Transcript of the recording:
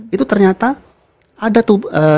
itu ternyata ada tuh